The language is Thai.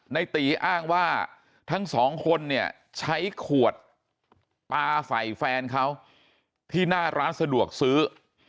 ในตีอ้างว่าทั้งสองคนเนี่ยใช้ขวดปลาใส่แฟนเขาที่หน้าร้านสะดวกซื้อ